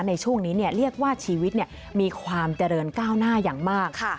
ในช่วงนี้เรียกว่าชีวิตมีความเจริญก้าวหน้าอย่างมาก